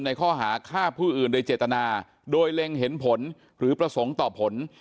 ในข้อหาฆ่าผู้อื่นโดยเจตนาโดยเล็งเห็นผลหรือประสงค์ต่อผล